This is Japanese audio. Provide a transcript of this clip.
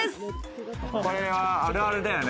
これは、あるあるだよね。